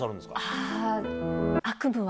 ああ、悪夢は。